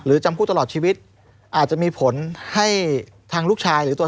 จำคุกตลอดชีวิตอาจจะมีผลให้ทางลูกชายหรือตัว